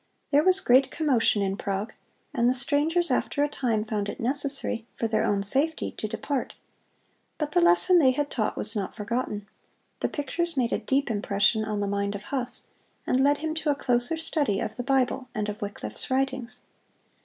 There was great commotion in Prague, and the strangers after a time found it necessary, for their own safety, to depart. But the lesson they had taught was not forgotten. The pictures made a deep impression on the mind of Huss, and led him to a closer study of the Bible and of Wycliffe's writings.